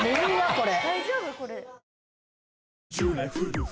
これ。